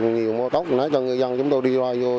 ngày cấp đây